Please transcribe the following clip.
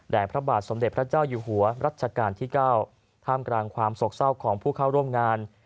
พระบาทสมเด็จพระเจ้าอยู่หัวรัชกาลที่๙ท่ามกลางความโศกเศร้าของผู้เข้าร่วมงาน